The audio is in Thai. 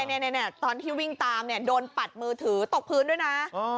ตอนที่วิ่งตามเนี่ยโดนปัดมือถือตกพื้นด้วยนะ